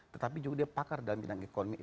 tetapi juga dia pakar dalam bidang ekonomi gitu loh